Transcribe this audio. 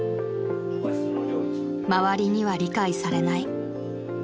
［周りには理解されない］